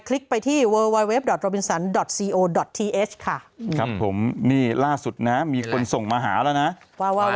ครับผมนี่ล่าสุดนะมีคนส่งมาหาแล้วนะ